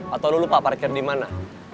atau lo lupa parkir dimana